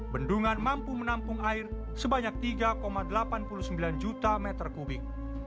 bendungan mampu menampung air sebanyak tiga delapan puluh sembilan juta meter kubik